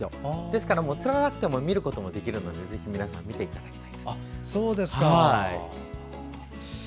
ですから釣らなくても見ることができるのでぜひ皆さん見ていただきたい。